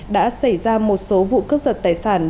đã xảy ra một số vụ cướp giật tài sản